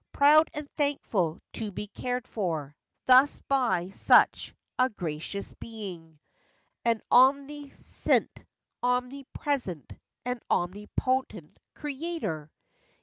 Proud and thankful to be cared for Thus, by such a gracious being, FACTS AND FANCIES. An omniscient, omnipresent, And omnipotent, creator!"